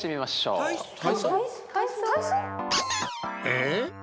えっ？